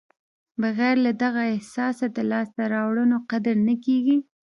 بغیر له دغه احساسه د لاسته راوړنو قدر نه کېږي.